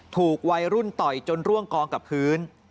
ถูกวัยรุ่นต่อยจนร่วงกองกับพื้น